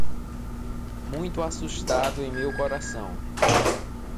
Muito assustado em meu coração